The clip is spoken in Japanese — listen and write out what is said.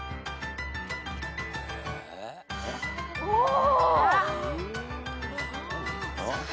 お！